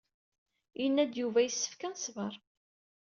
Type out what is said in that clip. Yenna-d Yuba yessefk ad nesbeṛ.